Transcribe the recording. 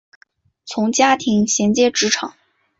从家庭衔接职场